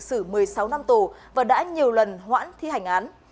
xử một mươi sáu năm tù và đã nhiều lần hoãn thi hành án